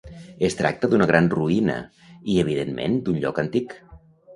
Es tracta d'una gran ruïna i, evidentment, d'un lloc antic.